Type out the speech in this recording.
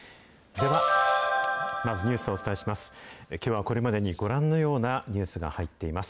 では、まずニュースをお伝えします。